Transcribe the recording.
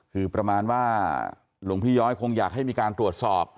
คือประมาณว่าหลวงพี่ย้อยคงอยากให้มีการตรวจสอบ